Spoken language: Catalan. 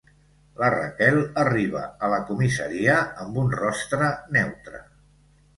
La Raquel arriba a la comissaria amb un rostre neutre.